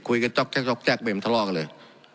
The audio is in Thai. คุยกันจ๊อกจะจ๊อกยังไม่มีทะลอกเลย